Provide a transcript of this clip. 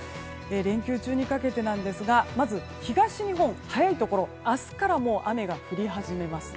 連休中にかけてですがまず東日本、早いところ明日からもう雨が降り始めます。